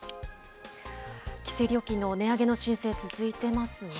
規制料金の値上げの申請、続いていますね。